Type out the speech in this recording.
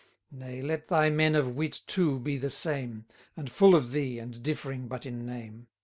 160 Nay, let thy men of wit too be the same, All full of thee, and differing but in name.